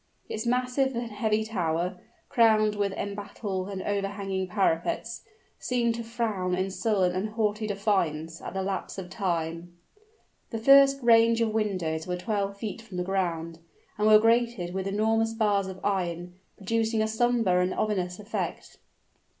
Its massive and heavy tower, crowned with embattled and overhanging parapets, seemed to frown in sullen and haughty defiance at the lapse of Time. The first range of windows were twelve feet from the ground, and were grated with enormous bars of iron, producing a somber and ominous effect.